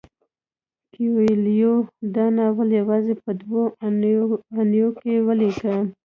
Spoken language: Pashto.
کویلیو دا ناول یوازې په دوه اونیو کې ولیکه.